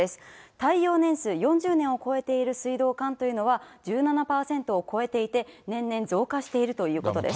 耐用年数４０年を超えている水道管というのは、１７％を超えていて、年々増加しているということです。